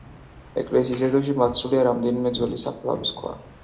ეკლესიის ეზოში დაცულია რამდენიმე ძველი საფლავის ქვა.